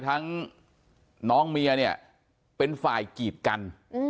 น้องเมียเนี่ยเป็นฝ่ายกีดกัน